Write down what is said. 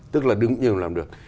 tức là đứng như làm được